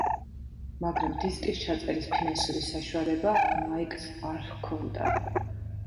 მაგრამ დისკის ჩაწერის ფინანსური საშუალება მაიკს არ ჰქონდა.